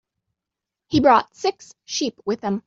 He brought six sheep with him.